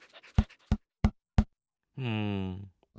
うん。